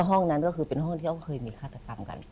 ห้องนั้นก็คือเป็นห้องที่เขาเคยมีฆาตกรรมกัน